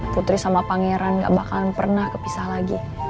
putri sama pangeran gak bakal pernah kepisah lagi